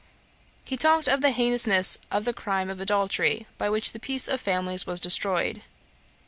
He talked of the heinousness of the crime of adultery, by which the peace of families was destroyed.